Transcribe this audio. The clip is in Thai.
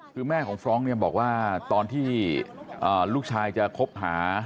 คือแม่ของฟรองก์เนี่ยบอกว่าตอนที่ลูกชายจะคบหา